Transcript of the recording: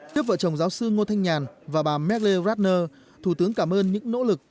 tiếp vợ chồng giáo sư ngô thanh nhàn và bà merle radner thủ tướng cảm ơn những nỗ lực